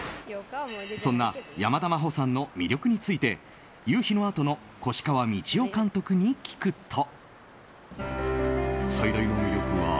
そんな山田真歩さんの魅力について「夕陽のあと」の越川道夫監督に聞くと。